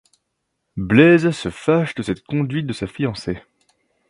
Blaise se fâche de cette conduite de sa fiancée.